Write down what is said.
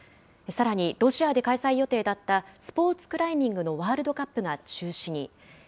さらに、ロシアで開催予定だったスポーツクライミングのワールドカップが中止に。